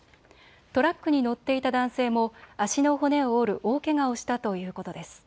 トラックに乗っていた男性も足の骨を折る大けがをしたということです。